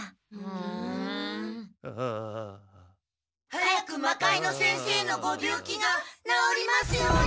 早く魔界之先生のご病気がなおりますように！